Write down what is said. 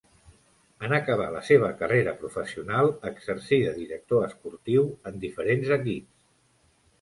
En acabar la seva carrera professional exercí de director esportiu en diferents equips.